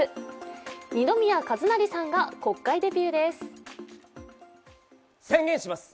二宮和也さんが国会デビューです。